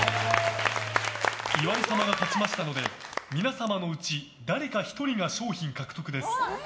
岩井様が勝ちましたので皆様のうち誰か１人が賞品獲得です。